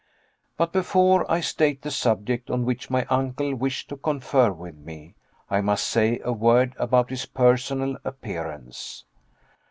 But before I state the subject on which my uncle wished to confer with me, I must say a word about his personal appearance.